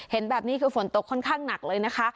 เห็นแบบนี้คือฝนตกค่อนข้างหนักเลยนะคะ